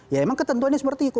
ya emang ketentuannya seperti itu